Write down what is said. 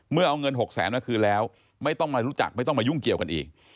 เอาเงิน๖แสนมาคืนแล้วไม่ต้องมารู้จักไม่ต้องมายุ่งเกี่ยวกันอีก